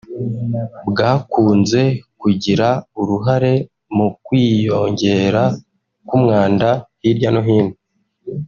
bwakunze kugira uruhare mu kwiyongera k’umwanda hirya no hino